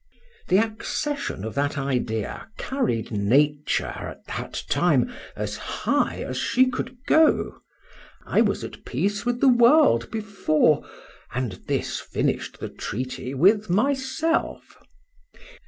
The accession of that idea carried nature, at that time, as high as she could go;—I was at peace with the world before, and this finish'd the treaty with myself.